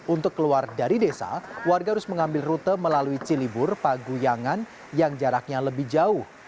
untuk keluar dari desa warga harus mengambil rute melalui cilibur paguyangan yang jaraknya lebih jauh